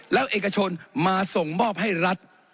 แล้วเอกชนมาส่งมอบให้รัฐ